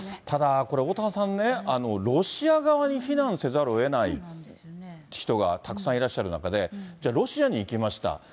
ただ、これ、おおたわさんね、ロシア側に避難せざるをえない人がたくさんいらっしゃる中で、ロシアに行きました。